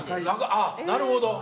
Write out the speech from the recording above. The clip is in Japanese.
あっなるほど。